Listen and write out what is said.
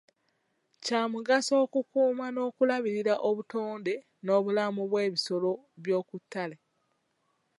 Kya mugaso okukuuma n'okulabirira obutonde n'obulamu bw'ebisolo by'okuttale.